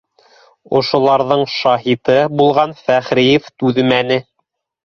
Ошоларҙың шаһиты булған Фәхриев түҙмәне: